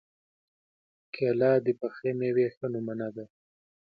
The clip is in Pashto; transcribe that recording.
کېله د پخې مېوې ښه نمونه ده.